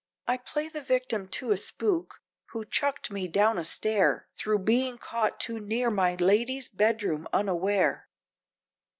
I play the victim to a spook, who chucked me down a stair, Thro' being caught too near my lady's bedroom unaware."